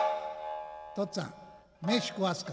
父っつぁん飯食わすか？」。